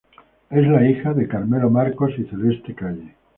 Es la hija de Carmelo Marcos y Celeste Calle.